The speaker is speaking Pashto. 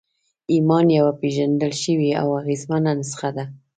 ایمان یوه پېژندل شوې او اغېزمنه نسخه ده